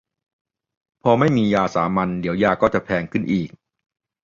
พอไม่มียาสามัญ เดี๋ยวยาก็จะแพงขึ้นอีก